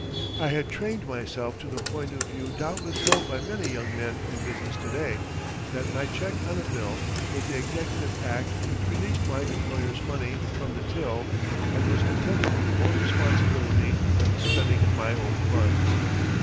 I had trained myself to the point of view doubtless held by many young men in business to day, that my check on a bill was the executive act which released my employer's money from the till and was attended with more responsibility than the spending of my own funds.